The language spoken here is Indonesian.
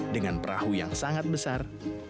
dengan perahu yang sangat besar